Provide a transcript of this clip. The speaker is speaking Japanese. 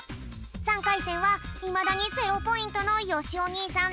３かいせんはいまだにゼロポイントのよしお兄さん